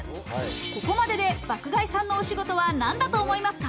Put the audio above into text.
ここまでで爆買いさんのお仕事は何だと思いますか？